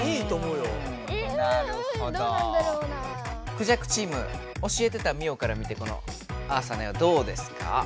クジャクチーム教えてたミオから見てこのアーサーの絵はどうですか？